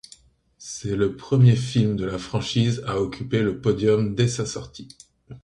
C'est le premier film de la franchise à occuper le podium dès sa sortie.